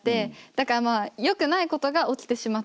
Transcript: だからよくないことが起きてしまっている。